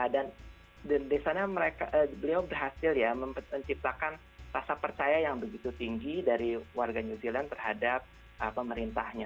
dan di sana beliau berhasil ya menciptakan rasa percaya yang begitu tinggi dari warga new zealand terhadap pemerintahnya